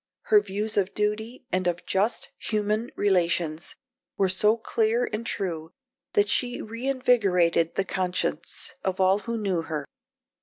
Her views of duty and of just human relations were so clear and true that she reinvigorated the conscience of all who knew her.